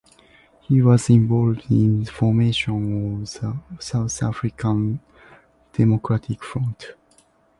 He was involved in the formation of the South African Democratic Front.